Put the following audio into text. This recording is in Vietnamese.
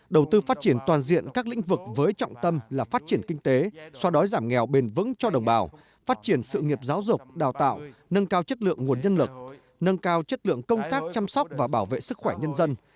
đầu tư phát triển toàn diện các lĩnh vực với trọng tâm là phát triển kinh tế so đói giảm nghèo bền vững cho đồng bào phát triển sự nghiệp giáo dục đào tạo nâng cao chất lượng nguồn nhân lực nâng cao chất lượng công tác chăm sóc và bảo vệ sức khỏe nhân dân